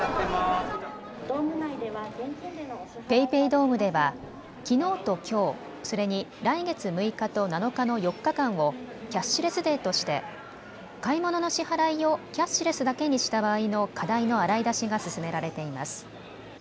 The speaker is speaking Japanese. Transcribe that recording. ＰａｙＰａｙドームではきのうときょう、それに来月６日と７日の４日間をキャッシュレスデーとして買い物の支払いをキャッシュレスだけにした場合の課題の洗い出しが進められています。